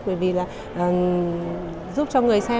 bởi vì là giúp cho người xem